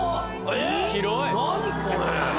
えっ何これ。